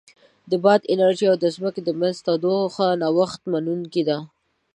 د باد انرژي او د ځمکې د منځ تودوخه نوښت منونکې ده.